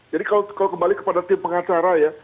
jadi kalau kembali kepada tim pengacara ya